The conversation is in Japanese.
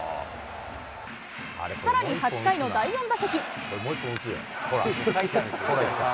さらに８回の第４打席。